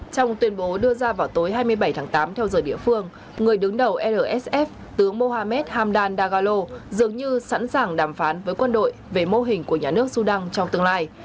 trong tuyên bố đưa ra vào tối hai mươi bảy tháng tám theo giờ địa phương người đứng đầu rsf tướng mohamed hamdan dagalo dường như sẵn sàng đàm phán với quân đội về mô hình của nhà nước sudan trong tương lai